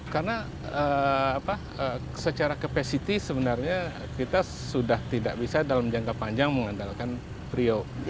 karena secara capacity sebenarnya kita sudah tidak bisa dalam jangka panjang mengandalkan priok